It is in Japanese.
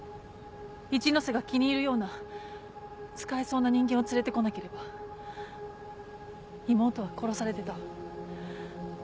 一ノ瀬が気に入るような使えそうな人間を連れてこなければ妹は殺されてた。